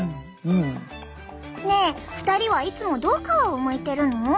ねえ２人はいつもどう皮をむいてるの？